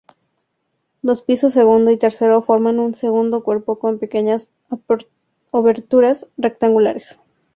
Los pisos segundo y tercero forman un segundo cuerpo con pequeñas oberturas rectangulares.